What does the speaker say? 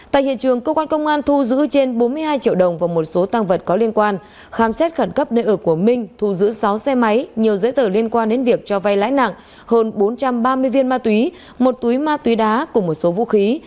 tại hiện trường cơ quan công an thu giữ trên bốn mươi hai triệu đồng và một số tăng vật có liên quan khám xét khẩn cấp nơi ở của minh thu giữ sáu xe máy nhiều giấy tờ liên quan đến việc cho vay lãi nặng hơn bốn trăm ba mươi viên ma túy một túi ma túy đá cùng một số vũ khí